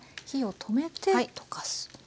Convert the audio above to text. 火を止めて溶かす。